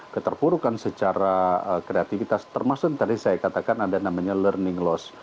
keterpurukan secara kreativitas termasuk tadi saya katakan ada namanya learning loss